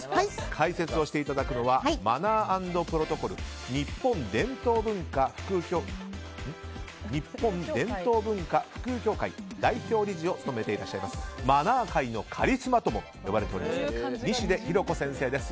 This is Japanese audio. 解説をしていただくのはマナー＆プロトコル・日本伝統文化普及協会代表理事を務めていらっしゃいますマナー界のカリスマとも呼ばれています西出ひろ子先生です。